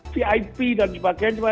vip dan sebagainya